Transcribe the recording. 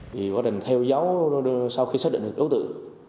thì quá trình theo dấu sau khi xác định được đối tượng